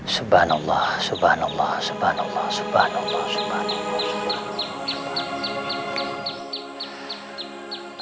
subhanallah subhanallah subhanallah subhanallah subhanallah